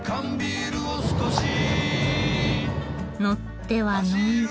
乗っては呑んで。